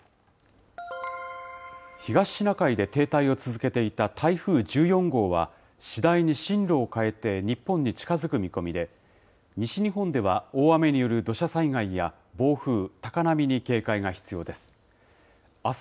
東シナ海で停滞を続けていた台風１４号は、次第に進路を変えて日本に近づく見込みで、西日本では大雨による土砂災害や暴風、高波に警戒が必要です。